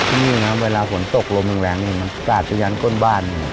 อันนี้นะเวลาฝนตกลมแรงมันตาดผิวย้านก้นบ้าน